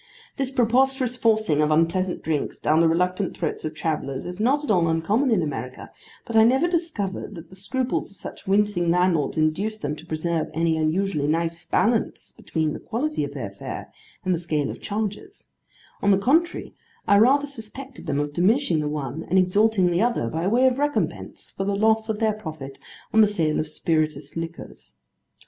This preposterous forcing of unpleasant drinks down the reluctant throats of travellers is not at all uncommon in America, but I never discovered that the scruples of such wincing landlords induced them to preserve any unusually nice balance between the quality of their fare, and their scale of charges: on the contrary, I rather suspected them of diminishing the one and exalting the other, by way of recompense for the loss of their profit on the sale of spirituous liquors.